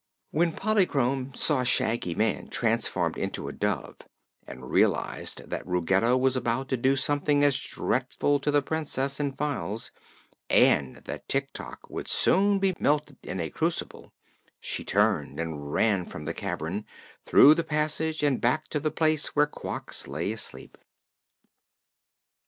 When Polychrome saw Shaggy Man transformed into a dove and realized that Ruggedo was about to do something as dreadful to the Princess and Files, and that Tik Tok would soon be melted in a crucible, she turned and ran from the cavern, through the passage and back to the place where Quox lay asleep.